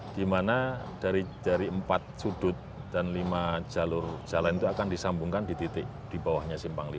di mana dari empat sudut dan lima jalur jalan itu akan disambungkan di titik di bawahnya simpang lima